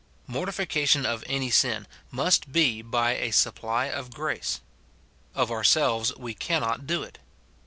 Mortification of any sin must be by a supply of grace. Of ourselves we cannot do it.